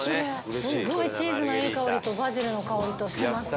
すごいチーズのいい香りとバジルの香りとしてます。